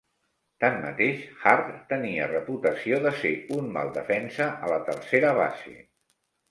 Tanmateix, Hart tenia reputació de ser un mal defensa a la tercera base.